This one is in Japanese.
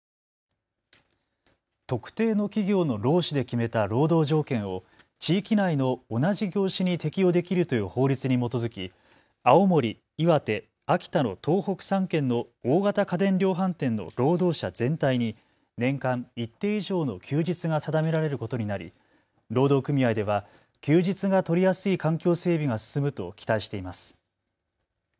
特定の企業の労使で決めた労働条件を地域内の同じ業種に適用できるという法律に基づき青森、岩手、秋田の東北３県の大型家電量販店の労働者全体に年間一定以上の休日が定められることになり、労働組合では休日が取りやすい環境整備が進むと期待しています。